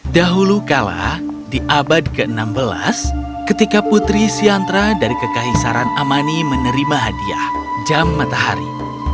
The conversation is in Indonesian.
dahulu kala di abad ke enam belas ketika putri siantra dari kekaisaran amani menerima hadiah jam matahari